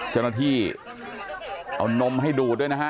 เจ้าหน้าที่เอานมให้ดูดด้วยนะฮะ